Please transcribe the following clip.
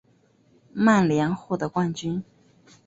曼联获得冠军。